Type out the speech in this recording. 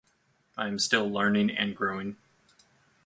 I am still learning and growing.